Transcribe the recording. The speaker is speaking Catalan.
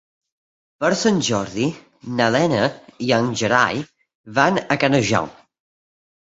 Per Sant Jordi na Lena i en Gerai van a Canejan.